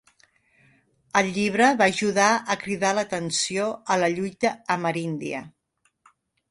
El llibre va ajudar a cridar l'atenció a la lluita ameríndia.